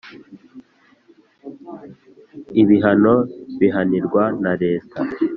ibihano bihanirwa na leta